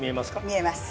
見えます。